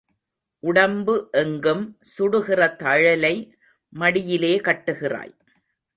உடம்பு எங்கும் சுடுகிற தழலை மடியிலே கட்டுகிறாய்.